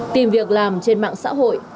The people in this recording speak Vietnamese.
tìm việc làm trên mạng xã hội